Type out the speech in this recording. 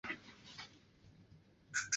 粉叶决明为豆科决明属下的一个种。